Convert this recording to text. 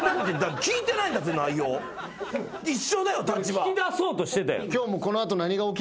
聞き出そうとしてたやん。